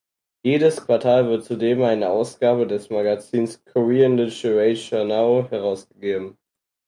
Jedes Quartal wird zudem eine Ausgabe des Magazins "Korean Literature Now" herausgegeben.